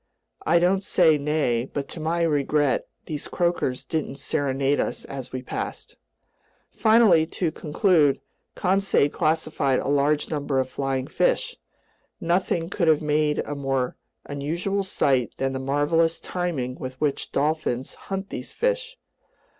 I don't say nay, but to my regret these croakers didn't serenade us as we passed. Finally, to conclude, Conseil classified a large number of flying fish. Nothing could have made a more unusual sight than the marvelous timing with which dolphins hunt these fish.